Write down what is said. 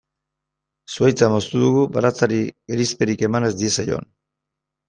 Zuhaitza moztu dugu baratzari gerizperik eman ez diezaion.